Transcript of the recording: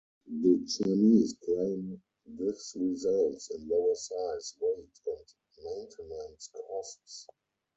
The Chinese claim this results in lower size, weight, and maintenance costs.